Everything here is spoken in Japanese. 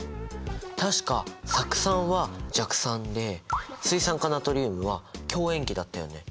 確か酢酸は弱酸で水酸化ナトリウムは強塩基だったよね？